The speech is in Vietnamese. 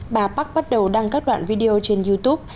bà park bắt đầu đăng các đoạn video trên youtube